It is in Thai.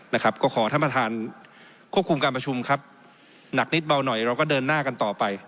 นะครับก็ขอท่านประธานควบคุมการประชุมครับหนักนิดเบาหน่อยเราก็เดินหน้ากันต่อไป